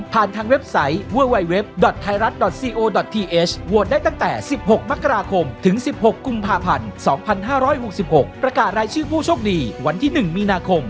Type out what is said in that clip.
โปรดติดตามตอนต่อไป